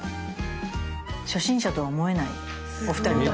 初心者とは思えないお二人とも。